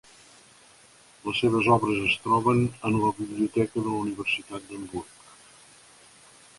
Les seves obres es troben en la Biblioteca de la Universitat d'Hamburg.